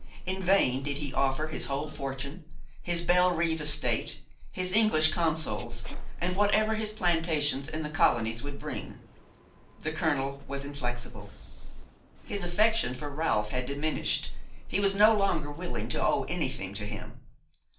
In vain did he offer his whole fortune, his Bellerive estate, his English consols, and whatever his plantations in the colonies would bring; the colonel was inflexible. His affection for Ralph had diminished; he was no longer willing to owe anything to him.